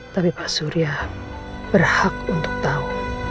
tapi pak surya berhak untuk tahu